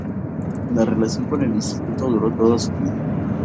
Esta relación con el Instituto duro toda su vida.